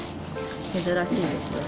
珍しいですよね。